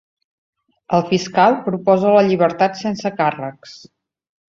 El fiscal proposa la llibertat sense càrrecs.